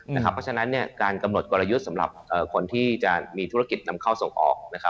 เพราะฉะนั้นการกำหนดกลยุทธ์สำหรับคนที่จะมีธุรกิจนำเข้าส่งออก